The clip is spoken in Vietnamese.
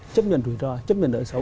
chấp nhận rủi ro chấp nhận nợ xấu